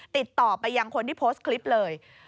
ติดต่อไปยังคนที่โพสต์คลิปเลย